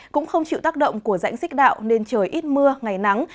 cũng không chịu tác động của dãnh xích đạo nên trời ít mưa ngày nắng